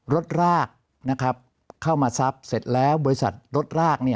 รากเข้ามาซับเสร็จแล้วบริษัทรถราก